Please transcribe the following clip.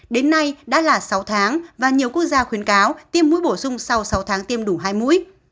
đến nay đã là sáu tháng và nhiều quốc gia khuyến cáo tiêm mũi bổ sung sau sáu tháng tiêm đủ hai mũi